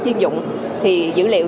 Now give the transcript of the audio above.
chuyên dụng thì dữ liệu